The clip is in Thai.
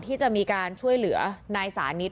ที่จะมีการช่วยเหลือนายสานิท